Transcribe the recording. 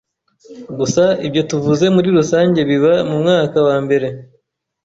Gusa ibyo tuvuze muri rusange biba mu mwaka wa mbere.